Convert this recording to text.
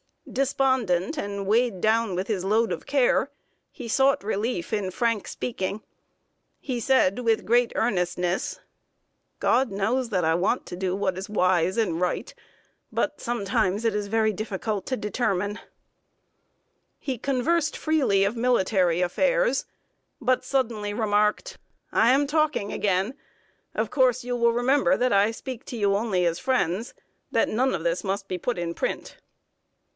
Despondent and weighed down with his load of care, he sought relief in frank speaking. He said, with great earnestness: "God knows that I want to do what is wise and right, but sometimes it is very difficult to determine." [Sidenote: MR. LINCOLN'S FAMILIAR CONVERSATION.] He conversed freely of military affairs, but suddenly remarked: "I am talking again! Of course, you will remember that I speak to you only as friends; that none of this must be put in print."